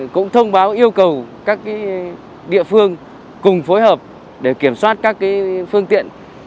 cũng thông báo yêu cầu các địa phương cùng phối hợp để kiểm soát các phương tiện